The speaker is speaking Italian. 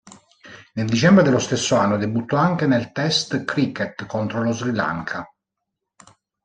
Nel dicembre dello stesso anno debuttò anche nel test cricket contro lo Sri Lanka.